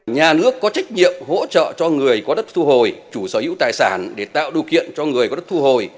nhà nước có trách nhiệm hỗ trợ cho người có đất thu hồi chủ sở hữu tài sản để tạo điều kiện cho người có đất thu hồi